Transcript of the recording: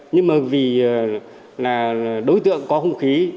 nhưng vì đối tượng có hung khí